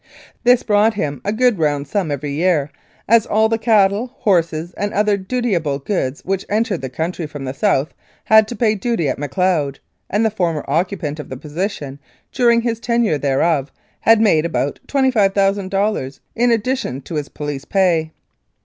This brought him a good round sum every year, as all the cattle, horses and other dutiable goods which entered the country from the south had to pay duty at Macleod, and the former occupant of the position, during his tenure thereof, had made about 25,000 dollars in addi tion to his police pay.